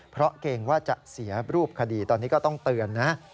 เพราะเกรงว่าจะเสียรูปคดีตอนนี้ก็ต้องเตือนนะ